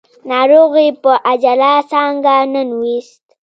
ناروغ يې په عاجله څانګه ننوېست.